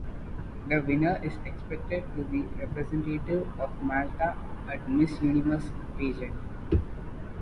The winner is expected to be representative of Malta at Miss Universe pageant.